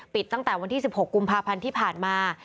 ตั้งแต่วันที่๑๖กุมภาพันธ์ที่ผ่านมา